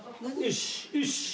よし。